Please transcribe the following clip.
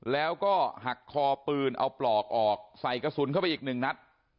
แล้วก็หักคอปืนเอาปลอกออกใส่กระสุนเข้าไปอีกหนึ่งนัด